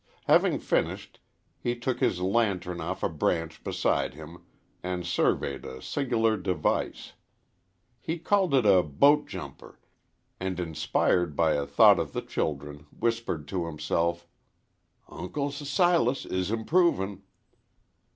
Having finished, he took his lantern off a branch beside him and surveyed a singular device. He called it a boat jumper, and, inspired by a thought of the children, whispered to himself, "Uncle S Silas is improvin'."